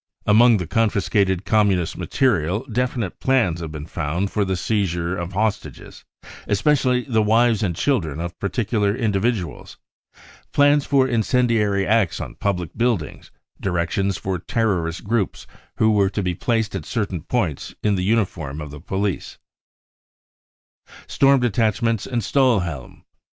Among the confiscated Communist material definite plans have been found for the seizure of hostages, especially the wives and children of particular indivi duals, plans for incendiary acts on public buildings, directions for terrorist groups who were to be placed at certain points in the uniform of the police, Stonlx Detachments and Stahlhelm.